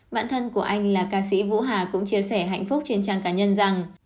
bản thân của anh là ca sĩ vũ hà cũng chia sẻ hạnh phúc trên trang cá nhân rằng